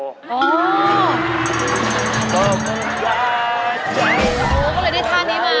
โอ้โหก็เลยได้ท่านี้มา